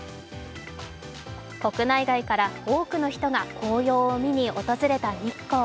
国内外から多くの人が紅葉を見に訪れた日光。